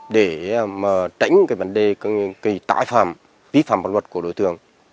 để tránh vấn đề tải phạm vi phạm bản luật của đối tượng